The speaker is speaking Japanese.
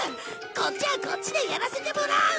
こっちはこっちでやらせてもらう！